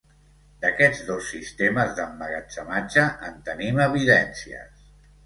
D’aquests dos sistemes d'emmagatzematge en tenim evidències.